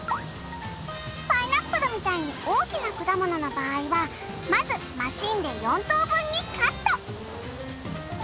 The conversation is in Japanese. パイナップルみたいに大きな果物の場合はまずマシンで４等分にカット！